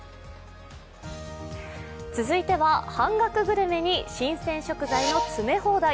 続いては半額グルメに新鮮食材の詰め放題。